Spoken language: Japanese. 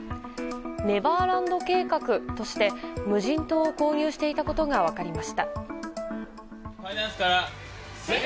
ネバーランド計画として無人島を購入していたことが分かりました。